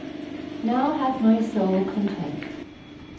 Now hath my soul content.